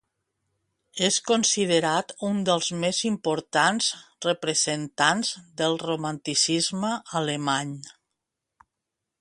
És considerat un dels més importants representants del romanticisme alemany.